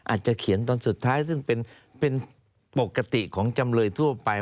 อาจจะเขียนตอนสุดท้ายซึ่งเป็นปกติของจำเลยทั่วไป